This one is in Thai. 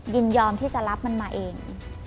ยินยอมที่จะรับมันมาเอง